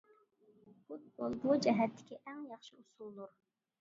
پۇتبول بۇ جەھەتتىكى ئەڭ ياخشى ئۇسۇلدۇر.